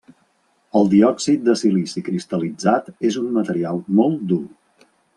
El diòxid de silici cristal·litzat és un material molt dur.